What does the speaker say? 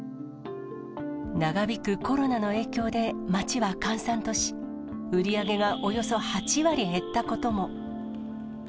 長引くコロナの影響で、町は閑散とし、売り上げがおよそ８割減ったことも。